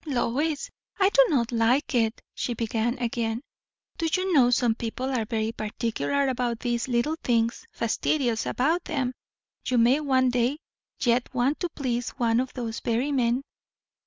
"Lois, I do not like it!" she began again. "Do you know, some people are very particular about these little things fastidious about them. You may one day yet want to please one of those very men."